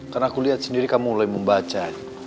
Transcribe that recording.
karena aku lihat sendiri kamu mulai membaca